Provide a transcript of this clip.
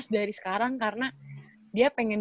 dua belas dari sekarang karena dia pengen